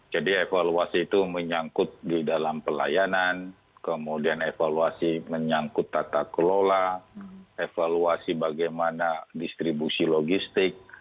jadi evaluasi itu menyangkut di dalam pelayanan kemudian evaluasi menyangkut tata kelola evaluasi bagaimana distribusi logistik